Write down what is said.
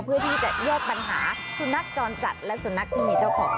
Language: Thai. เพื่อที่จะเยอะปัญหานักจรจัดและสนักทีมีเจ้าของ๐๔๑๘๑๓๑๘